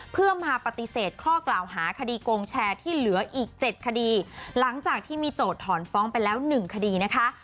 เพื่อมาปฏิเสธข้อกล่าวหาคดีโกงแชร์ที่เหลืออีกเจ็ดคดีหลังจากที่มีโจทย์ถอนฟ้องไปแล้วหนึ่งคดีนะคะ